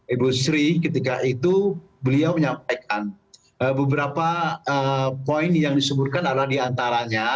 ibu sri ketika itu beliau menyampaikan beberapa poin yang disebutkan adalah diantaranya